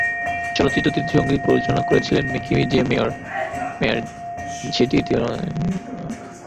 চলচ্চিত্রটির সংগীত পরিচালনা করেছিলেন মিকি জে মেয়ার, সেটি ইতিবাচক পর্যালোচনা পেয়েছিল।